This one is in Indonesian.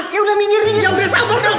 ya udah minggir minggir ya udah sabar dong